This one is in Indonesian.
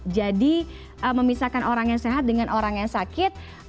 jadi memisahkan orang yang sehat dengan orang yang sakit